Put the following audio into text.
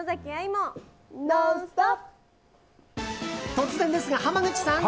突然ですが、濱口さん。